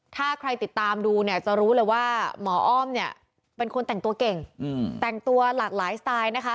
ถ้าใครติดตามดูเนี่ยจะรู้เลยว่าหมออ้อมเนี่ยเป็นคนแต่งตัวเก่งแต่งตัวหลากหลายสไตล์นะคะ